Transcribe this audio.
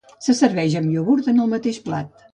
Se serveix amb iogurt en el mateix plat.